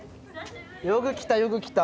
よく来たよく来た。